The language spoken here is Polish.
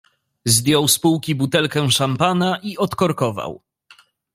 "Zdjął z półki butelkę szampana i odkorkował."